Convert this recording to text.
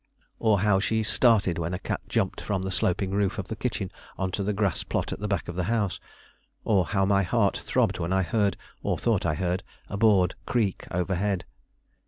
Or how she started when a cat jumped from the sloping roof of the kitchen on to the grass plot at the back of the house; or how my heart throbbed when I heard, or thought I heard, a board creak overhead!